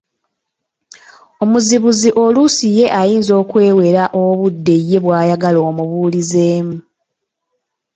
Omuzibuzi oluusi ye ayinza okukweweera obudde ye bw’ayagala omubuulizeemu.